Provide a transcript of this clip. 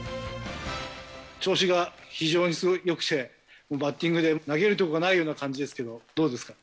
調子が非常によくて、もうバッティングで投げる所がないような感じですけど、どうですか？